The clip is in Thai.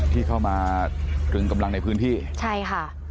ที่เข้ามาตรึงกำลังในพื้นที่ใช่ค่ะ